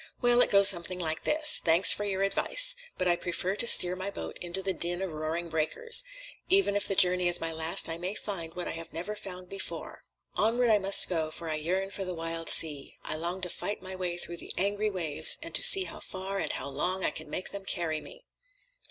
"Well, it goes something like this: _Thanks for your advice! But I prefer to steer my boat into the din of roaring breakers. Even if the journey is my last, I may find what I have never found before. Onward must I go, for I yearn for the wild sea. I long to fight my way through the angry waves, and to see how far, and how long I can make them carry me.